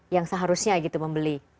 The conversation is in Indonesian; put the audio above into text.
yang seharusnya gitu membeli